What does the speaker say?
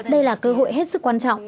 đây là cơ hội hết sức quan trọng